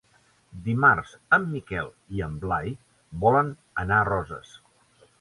Dimarts en Miquel i en Blai volen anar a Roses.